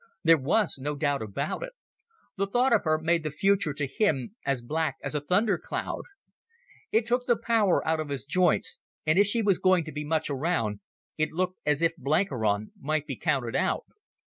There was no doubt about it. The thought of her made the future to him as black as a thunder cloud. It took the power out of his joints, and if she was going to be much around, it looked as if Blenkiron might be counted out.